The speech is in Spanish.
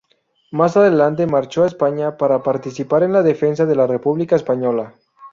Más adelante marchó a España para participar en la defensa de la República Española.